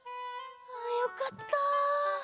よかった！